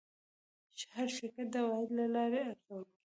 هر شرکت د عوایدو له لارې ارزول کېږي.